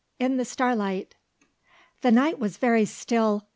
"IN THE STARLIGHT." The night was very still.